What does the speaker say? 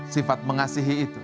sifat mengasihi itu